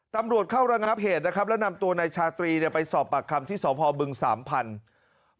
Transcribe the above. ตำรวจเข้าระงับเหตุนะครับแล้วนำตัวนายชาตรีไปสอบปากคำที่สพบึงสามพันธุ์